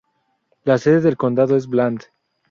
La sede de condado es Bland.